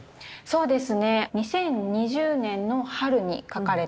そうです。